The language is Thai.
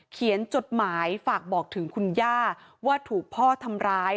เขียนจดหมายฝากบอกถึงคุณย่าว่าถูกพ่อทำร้าย